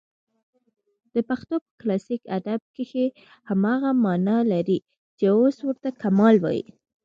د پښتو په کلاسیک ادب کښي هماغه مانا لري، چي اوس ورته کمال وايي.